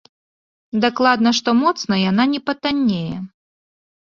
Дакладна, што моцна яна не патаннее.